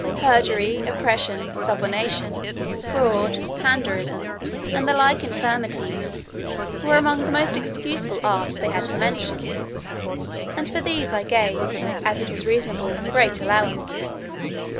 Perjury, oppression, subornation, fraud, pandarism, and the like infirmities, were among the most excusable arts they had to mention; and for these I gave, as it was reasonable, great allowance.